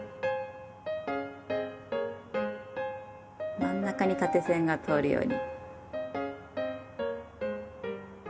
真ん中に縦線が通るように。